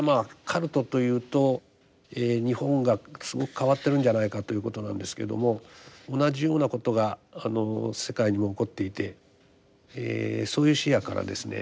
カルトというと日本がすごく変わってるんじゃないかということなんですけども同じようなことが世界にも起こっていてそういう視野からですね